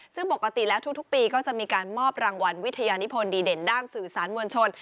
ซึ่งปกติแล้วทุกปีก็จะมีการมอบรางวัลวิทยานิพลดีเด่นด้านสื่อสารมวลชน